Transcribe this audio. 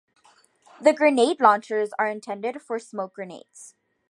The grenade launchers are intended for smoke grenades.